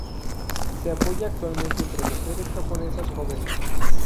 Se apoya actualmente entre mujeres japonesas jóvenes.